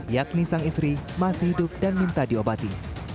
yakni sang istri masih hidup dan minta diobati